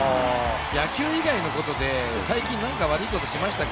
野球以外のことで、最近何か悪いことしましたか？